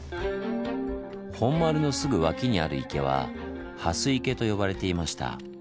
本丸のすぐ脇にある池は「蓮池」と呼ばれていました。